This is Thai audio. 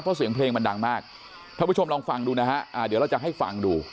เพราะเสียงเพลงมันดังมากท่านผู้ชมลองฟังดูนะฮะเดี๋ยวเราจะให้ฟังดู